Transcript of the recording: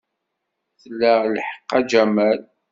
Tla lḥeqq, a Jamal.